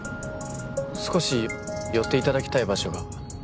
少し寄っていただきたい場所が。